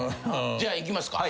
じゃあいきますか。